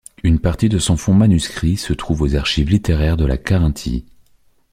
Une partie de son fonds manuscrit se trouve aux Archives littéraires de la Carinthie.